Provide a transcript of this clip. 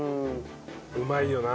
うまいよな。